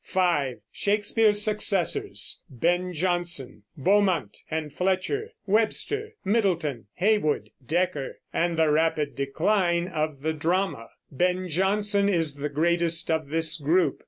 (5) Shakespeare's Successors, Ben Jonson, Beaumont and Fletcher, Webster, Middleton, Heywood, Dekker; and the rapid decline of the drama. Ben Jonson is the greatest of this group.